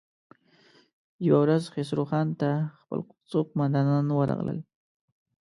يوه ورځ خسرو خان ته خپل څو قوماندان ورغلل.